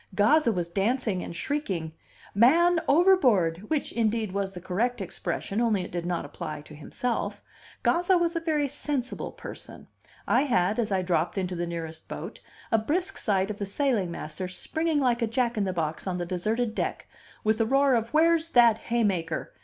Gazza was dancing and shrieking, "Man overboard!" which, indeed, was the correct expression, only it did not apply to himself. Gazza was a very sensible person. I had, as I dropped into the nearest boat, a brisk sight of the sailing master, springing like a jack in the box on the deserted deck, with a roar of "Where's that haymaker?"